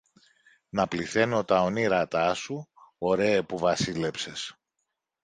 να πληθαίνω τα ονείρατά σου, ωραίε που βασίλεψες